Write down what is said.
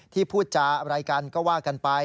ที่พูดจารายกันก็ว่ากันไป